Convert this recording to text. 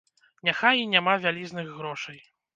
Няхай і няма вялізных грошай.